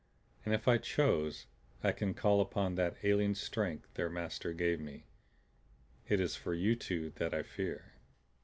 And if I choose I can call upon that alien strength their master gave me. It is for you two that I fear."